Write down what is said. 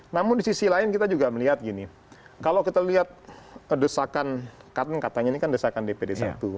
namun di sisi lain kita juga melihat gini kalau kita lihat desakan karena katanya ini kan desakan dpd satu